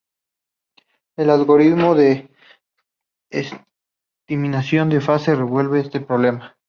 El algoritmo de estimación de fase resuelve este problema.